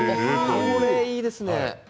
これ、いいですね。